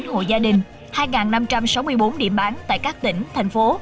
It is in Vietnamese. một mươi hai sáu trăm chín mươi chín hội gia đình hai năm trăm sáu mươi bốn điểm bán tại các tỉnh thành phố